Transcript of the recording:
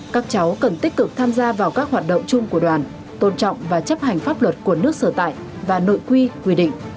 các cháu cần tích cực tham gia vào các hoạt động chung của đoàn tôn trọng và chấp hành pháp luật của nước sở tại và nội quy quy định